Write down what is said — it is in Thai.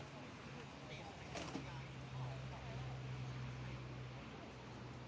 เมื่อเวลาเมื่อเวลาเมื่อเวลา